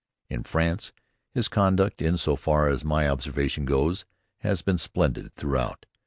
In France, his conduct, in so far as my observation goes, has been splendid throughout.